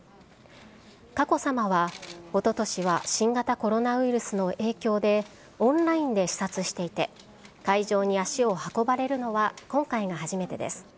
佳子さまは、おととしは新型コロナウイルスの影響でオンラインで視察していて、会場に足を運ばれるのは、今回が初めてです。